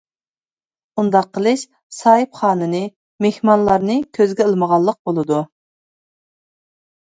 ئۇنداق قىلىش ساھىبخانىنى، مېھمانلارنى كۆزگە ئىلمىغانلىق بولىدۇ.